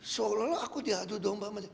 seolah olah aku diadu domba